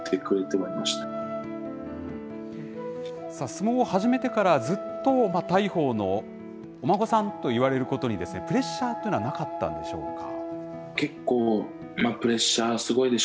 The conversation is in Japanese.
相撲を始めてからずっと大鵬のお孫さんといわれることに、プレッシャーっていうのはなかったんでしょうか。